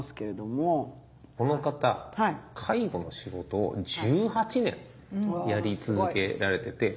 この方介護の仕事を１８年やり続けられてて。